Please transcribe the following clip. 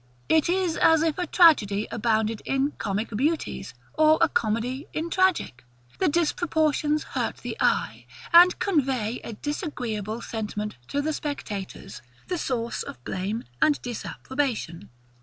It is as if a tragedy abounded in comic beauties, or a comedy in tragic. The disproportions hurt the eye, and convey a disagreeable sentiment to the spectators, the source of blame and disapprobation.